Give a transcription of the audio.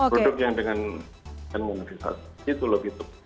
produk yang dengan investasi itu lebih cukup